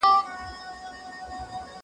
سپينکۍ د مور له خوا مينځل کيږي؟